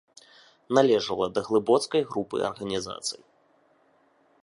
Належала да глыбоцкай групы арганізацыі.